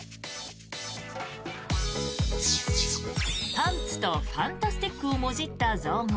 パンツとファンタスティックをもじった造語